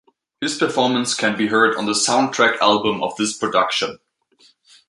His performance can be heard on the soundtrack album of this production.